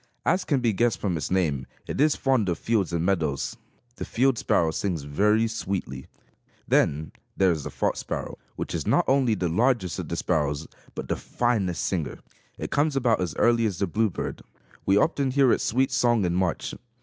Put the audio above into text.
As can be guessed from its name, it is fond of fields and meadows. The field sparrow sings very sweetly. Then there is the fox sparrow, which is not only the largest of the sparrows, but the finest singer. It comes about as early as the bluebird. We often hear its sweet song in March.